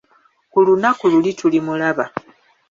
Ku lunaku luli tulimulaba.